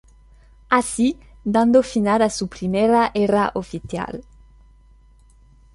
Así dando final a su primera era oficial.